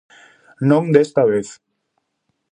Non desta vez.